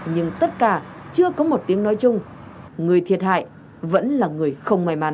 nhưng tất cả chưa có một tiếng nói chung người thiệt hại vẫn là người không may mắn